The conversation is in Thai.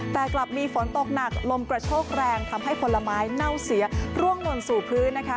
แต่กลับมีฝนตกหนักลมกระโชกแรงทำให้ผลไม้เน่าเสียร่วงหล่นสู่พื้นนะคะ